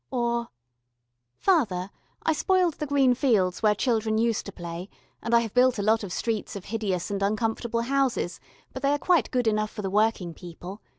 Or "Father, I spoiled the green fields where children used to play and I have built a lot of streets of hideous and uncomfortable houses, but they are quite good enough for the working people.